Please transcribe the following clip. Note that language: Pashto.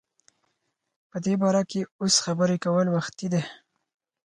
په دی باره کی اوس خبری کول وختی دی